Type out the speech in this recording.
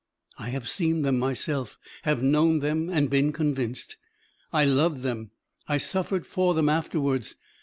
I have seen them myself, have known them and been convinced; I loved them, I suffered for them afterwards.